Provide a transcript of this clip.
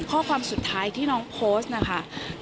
ข้อความสุดท้ายที่น้องโพสต์นะคะ